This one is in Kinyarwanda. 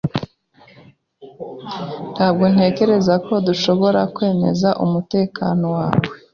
Ntabwo ntekereza ko dushobora kwemeza umutekano wawe.